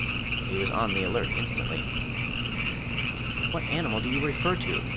He was on the alert instantly. "What animal do you refer to?"